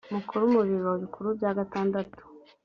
mukuru mu biro bikuru bya gatandatu